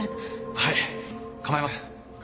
はい構いません。